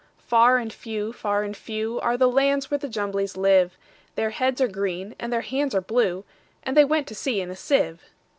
Far and few, far and few, Are the lands where the Jumblies live:Their heads are green, and their hands are blue; And they went to sea in a sieve.